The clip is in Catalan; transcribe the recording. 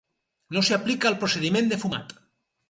No s'hi aplica el procediment de fumat.